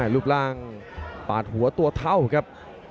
รูปร่างปาดหัวตัวเท่าครับ